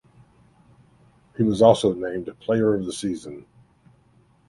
He was also named player of the season.